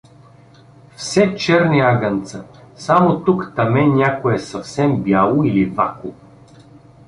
Все черни агънца, само тук-таме някое съвсем бяло или вакло.